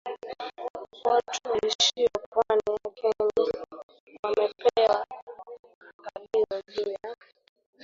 watu waishio pwani ya kenya wamepewa angalizo juu ya